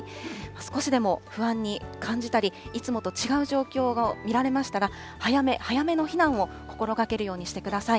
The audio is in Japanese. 少しでも不安に感じたり、いつもと違う状況が見られましたら、早め早めの避難を心がけるようにしてください。